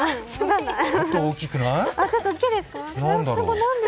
ちょっと大きくない？